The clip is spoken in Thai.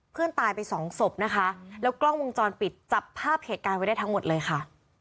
ตายไปสองศพนะคะแล้วกล้องวงจรปิดจับภาพเหตุการณ์ไว้ได้ทั้งหมดเลยค่ะ